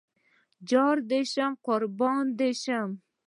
جار دې شم قربان دې شم